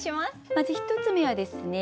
まず１つ目はですね